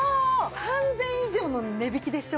３０００円以上の値引きでしょ？